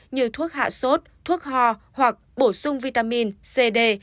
như thuốc hạ sốt thuốc ho hoặc bổ sung vitamin cd